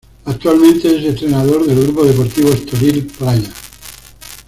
Actualmente es entrenador del Grupo Desportivo Estoril Praia.